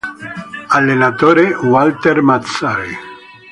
Allenatore: Walter Mazzarri